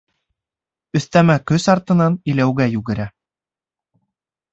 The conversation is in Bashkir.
Өҫтәмә көс артынан иләүгә йүгерә.